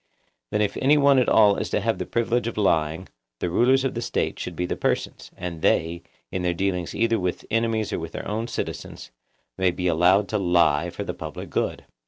Then if any one at all is to have the privilege of lying, the rulers of the State should be the persons; and they, in their dealings either with enemies or with their own citizens, may be allowed to lie for the public good.